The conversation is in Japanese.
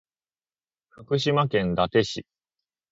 福島県伊達市